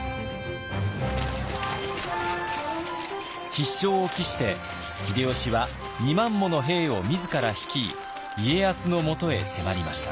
必勝を期して秀吉は２万もの兵を自ら率い家康のもとへ迫りました。